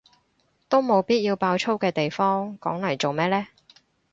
都冇必要爆粗嘅地方講嚟做咩呢？